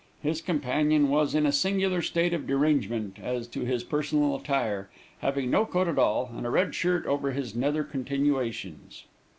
His companion was in a singular state of derangement as to his personal attire, having no coat at all, and a red shirt over his nether continuations.